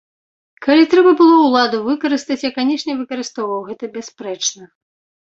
Калі трэба было ўладу выкарыстаць, я, канечне, выкарыстоўваў, гэта бясспрэчна.